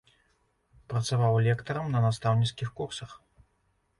Працаваў лектарам на настаўніцкіх курсах.